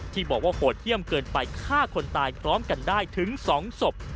ที่บอกว่าโหดเยี่ยมเกินไปฆ่าคนตายพร้อมกันได้ถึง๒ศพ